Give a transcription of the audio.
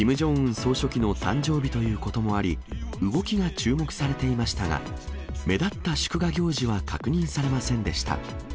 総書記の誕生日ということもあり、動きが注目されていましたが、目立った祝賀行事は確認されませんでした。